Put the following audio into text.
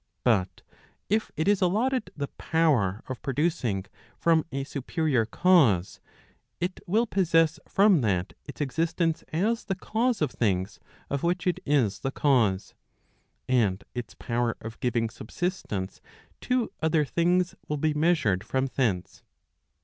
But if it is allotted the power of producing from a superior cause, it will possess from that its existence as the cause of things of which it is the cause, and its power of giving subsistence to other things will be measured from thence.